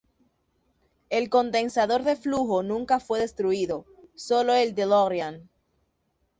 El condensador de flujo nunca fue destruido, sólo el DeLorean.